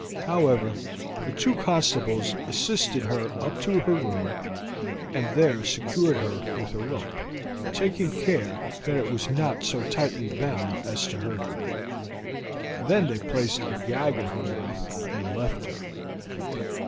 However, the two constables assisted her up to her room, and there secured her with a rope, taking care that it was not so tightly bound as to hurt her. Then they placed a gag in her mouth, and left her.